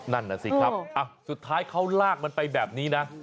นั่นน่ะสิครับสุดท้ายเขาลากมันไปแบบนี้นะ